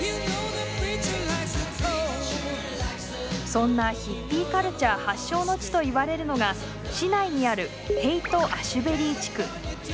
そんなヒッピーカルチャー発祥の地といわれるのが市内にあるヘイト・アシュベリー地区。